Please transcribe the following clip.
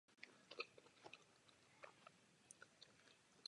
Některé členské státy se již o upevňování snaží.